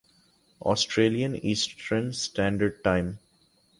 Australian Eastern Standard time